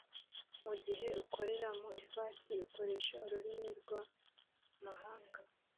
mu gihe ukorera mu ifasi ikoresha ururimi rw amahanga